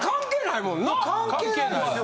関係ないですよ。